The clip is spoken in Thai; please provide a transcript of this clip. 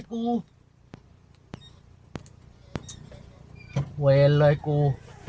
โอ้โหต้ำซ้อนกู